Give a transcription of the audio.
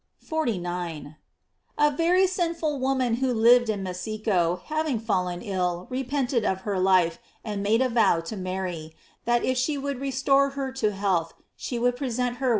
f 49. — A very sinful woman who lived in Mes eico, having fallen ill, repented of her life, and made a vow to Mary, that if she would restore her to health she would present her with her hair.